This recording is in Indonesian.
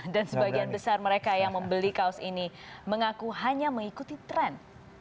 dan sebagian besar mereka yang membeli kaos ini mengaku hanya mengikuti tren